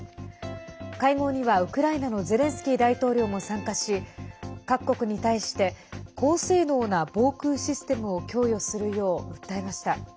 会合にはウクライナのゼレンスキー大統領も参加し各国に対して高性能な防空システムを供与するよう訴えました。